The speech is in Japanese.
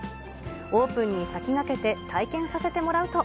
オープンに先駆けて体験させてもらうと。